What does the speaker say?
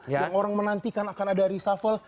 yang orang menantikan akan ada reshuffle